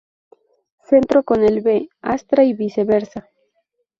Centro con el B° Astra y viceversa.